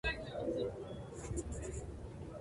Probablemente participó en los Misterios eleusinos.